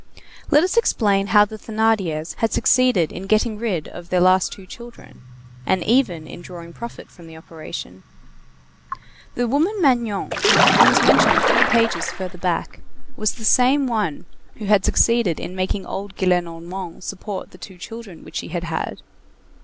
Let us explain how the Thénardiers had succeeded in getting rid of their last two children; and even in drawing profit from the operation. The woman Magnon, who was mentioned a few pages further back, was the same one who had succeeded in making old Gillenormand support the two children which she had had.